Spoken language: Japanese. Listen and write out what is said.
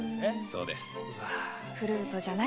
そうです。